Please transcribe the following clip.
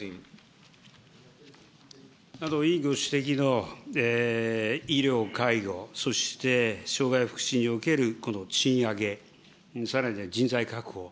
委員ご指摘の医療、介護、そして、障害福祉におけるこの賃上げ、さらには人材確保。